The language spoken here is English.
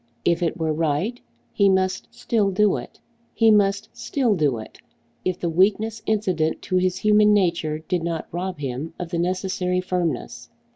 If it were right, he must still do it. He must still do it, if the weakness incident to his human nature did not rob him of the necessary firmness.